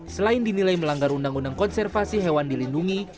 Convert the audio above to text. selain dinilai melanggar undang undang konservasi hewan dilindungi